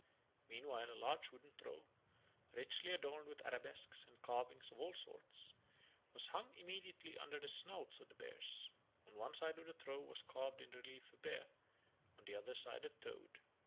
Meanwhile a large wooden trough, richly adorned with arabesques and carvings of all sorts, was hung immediately under the snouts of the bears; on one side of the trough was carved in relief a bear, on the other side a toad.